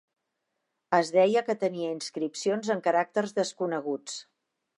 Es deia que tenia inscripcions en caràcters desconeguts.